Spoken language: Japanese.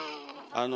あの。